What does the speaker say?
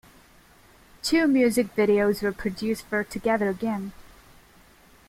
Two music videos were produced for "Together Again".